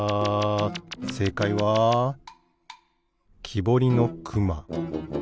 せいかいはきぼりのくま。